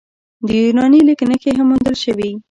د یوناني لیک نښې هم موندل شوي